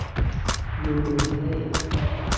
লুলু, হেই।